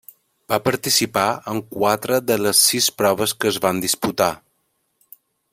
Va participar en quatre de les sis proves que es van disputar.